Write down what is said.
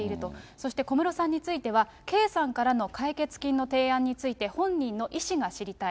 そして小室さんについては、圭さんからの解決金の提案について、本人の意思が知りたい。